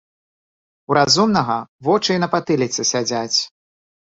У разумнага вочы і на патыліцы сядзяць.